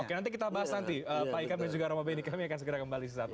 oke nanti kita bahas nanti pak ika dan juga roma beni kami akan segera kembali sesaatnya